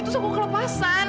terus aku kelepasan